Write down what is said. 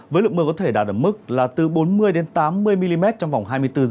với lượng mưa có thể đạt ở mức là từ bốn mươi tám mươi mm trong vòng hai mươi bốn h